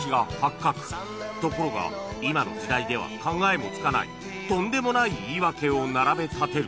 ところが今の時代では考えもつかないとんでもない言い訳を並べ立てる